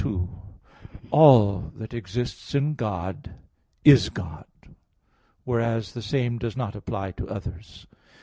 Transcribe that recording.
2: All that exists in God, is God (Q. 3, AA. 3, 4); whereas the same does not apply to others.